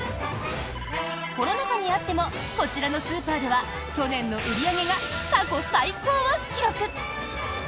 コロナ禍にあってもこちらのスーパーでは去年の売り上げが過去最高を記録。